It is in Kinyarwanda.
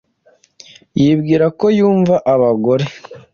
yibwira ko yumva abagore.